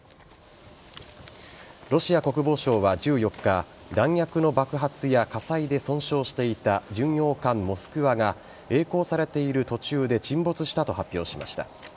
ロシア国防省は１４日弾薬の爆発や火災で損傷していた巡洋艦「モスクワ」がえい航されている途中で沈没したと発表しました。